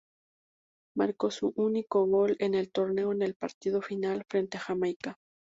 Marcó su único gol en el torneo en el partido final frente a Jamaica.